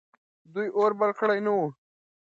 دوی اور بل کړی نه و.